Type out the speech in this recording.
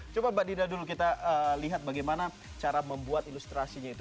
coba mbak dina dulu kita lihat bagaimana cara membuat ilustrasinya itu